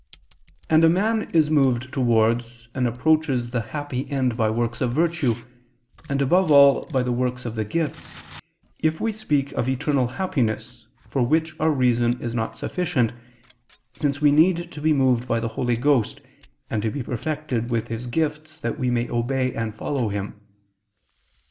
And a man is moved towards, and approaches the happy end by works of virtue, and above all by the works of the gifts, if we speak of eternal happiness, for which our reason is not sufficient, since we need to be moved by the Holy Ghost, and to be perfected with His gifts that we may obey and follow him.